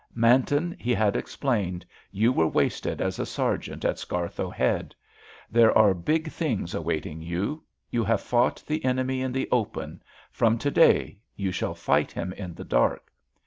"Manton," he had explained, "you were wasted as a sergeant at Scarthoe Head. There are big things awaiting you. You have fought the enemy in the open; from to day you shall fight him in the dark.